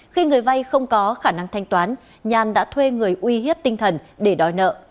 khi người vay không có khả năng thanh toán nhàn đã thuê người uy hiếp tinh thần để đòi nợ